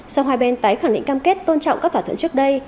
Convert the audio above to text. sau hai bên tái khẳng định cam kết tôn trọng các thỏa thuận trước đây